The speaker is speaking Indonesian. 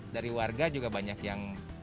dari warga juga banyak yang